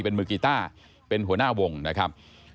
เป็นมือกีต้าเป็นหัวหน้าวงนะครับ